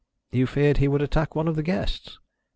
"You feared he would attack one of the guests?"